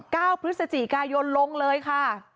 เก้าพฤศจิกายนลงเลยค่ะ